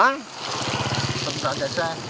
tình trạng chạy xe